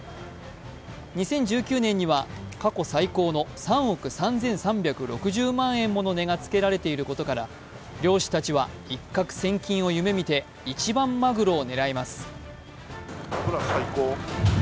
２０１９年には、過去最高の３億３３６０万円もの値がつけられていることから漁師たちは一獲千金を夢見て一番まぐろを狙います。